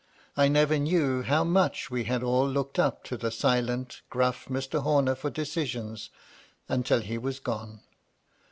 I never knew how much we had all looked up to the silent, gruff Mr. Horner for decisions, until he was gone.